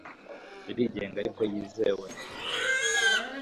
irigenga ariko yizewe